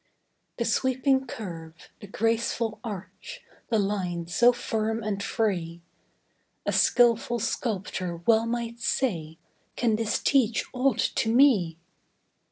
The sweeping curve, the graceful arch, The line so firm and free; A skilful sculptor well might say: "Can this teach aught to me?"